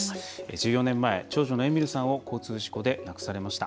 １４年前長女のえみるさんを交通事故で亡くされました。